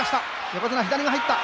横綱、左が入った。